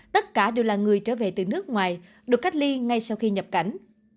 tất cả đều là người trở về từ nước ngoài được cách ly ngay sau khi nhập cảnh